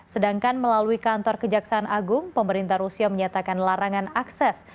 sedangkan melalui kantor kejaksaan agung pemerintah rusia menyatakan larangan akses